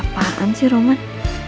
apaan sih roman